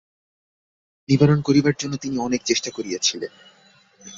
নিবারণ করিবার জন্য তিনি অনেক চেষ্টা করিয়াছিলেন।